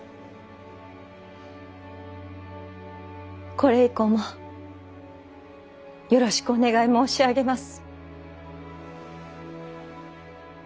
これ以降もよろしくお願い申し上げます。